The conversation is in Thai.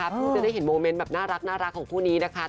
เพิ่งจะได้เห็นโมเมนต์แบบน่ารักของคู่นี้นะคะ